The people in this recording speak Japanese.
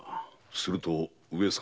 すると上様。